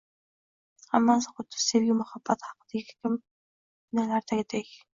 Hammasi xuddi sevgi muhabbat haqidagi kinolardagidek